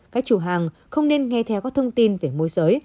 các chủ hàng không nên nghe theo các thông tin về môi giới